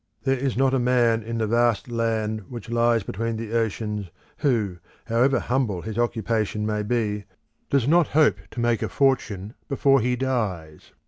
There is not a man in the vast land which lies between the oceans who, however humble his occupation may be, does not hope to make a fortune before he dies.